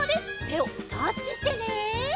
てをタッチしてね！